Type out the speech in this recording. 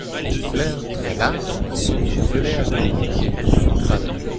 Les fleurs, très larges, sont de violet à bleu et poussent en grappes.